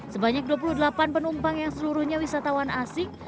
sebanyak dua puluh delapan penumpang yang seluruhnya wisatawan asing